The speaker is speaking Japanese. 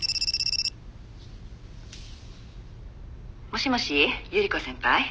「もしもし百合子先輩？」